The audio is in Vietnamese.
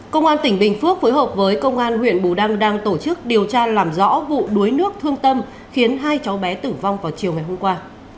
công an tỉnh bình phước phối hợp với công an huyện bù đăng đang tổ chức điều tra làm rõ vụ đuối nước thương tâm khiến hai cháu bé tử vong vào chiều ngày hôm qua